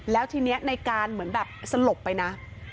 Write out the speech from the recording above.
แล้วทีนี้ในการเหมือนแบบสลบไปนะ